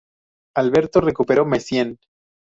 Alberto recuperó Meissen.